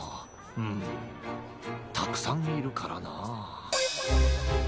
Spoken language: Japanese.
うんたくさんいるからな。